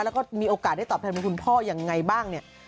แล้วก็มีโอกาสได้ตอบแทนเป็นคุณพ่อยังไงบ้างเนี่ย